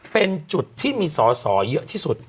เป็นจุดที่มีสอสอเยอะที่สุด